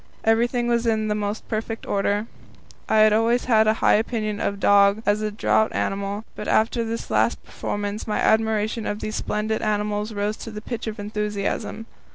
Everything was in the most perfect order. I had always had a high opinion of the dog as a draught animal, but after this last performance my admiration for these splendid animals rose to the pitch of enthusiasm.